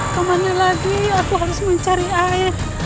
kemana lagi aku harus mencari air